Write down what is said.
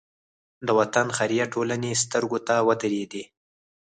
د وطن خیریه ټولنې سترګو ته ودرېدې.